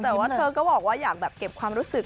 แต่ว่าเธอก็บอกว่าอยากแบบเก็บความรู้สึก